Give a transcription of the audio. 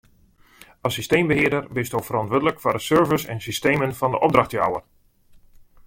As systeembehearder bisto ferantwurdlik foar de servers en systemen fan de opdrachtjouwer.